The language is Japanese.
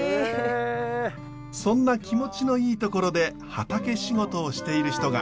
そんな気持ちのいい所で畑仕事をしている人が。